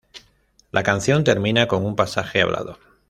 La canción termina con un pasaje hablado.